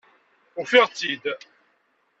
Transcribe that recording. Ufiɣ-tt-id!